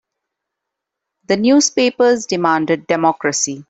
The newspapers demanded democracy.